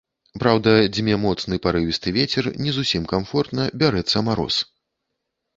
Праўда, дзьме моцны парывісты вецер, не зусім камфортна, бярэцца мароз.